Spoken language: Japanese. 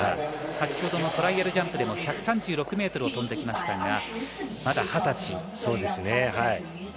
先ほどのトライアルジャンプでも１３６ｍを飛んできましたがまだ二十歳。